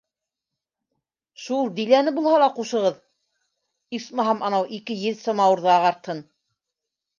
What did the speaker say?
Шул Диләне булһа ла ҡушығыҙ, исмаһам, анау ике еҙ самауырҙы ағартһын.